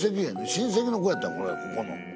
親戚の子やってんこれここの。